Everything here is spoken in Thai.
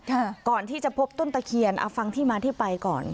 ก่อนที่จะพบต้นตะเคียนเอาฟังที่มาที่ไปก่อน